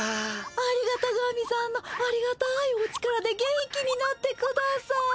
ありがた神さんのありがたいお力で元気になってください。